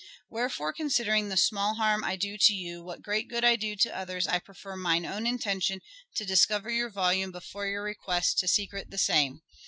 " Wherefore considering the small harm I do to you, the great good I do to others I prefer mine own intention to discover your volume before your request to secret the same.